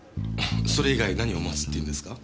それ以外何を待つって言うんですか？